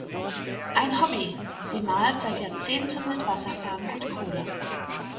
Ein Hobby: sie malt seit Jahrzehnten mit Wasserfarben und Kohle.